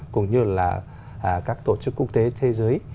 cũng như là các tổ chức quốc tế thế giới